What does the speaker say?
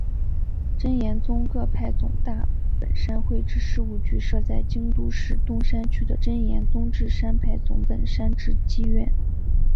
真言宗各派总大本山会之事务局设在京都市东山区的真言宗智山派总本山智积院。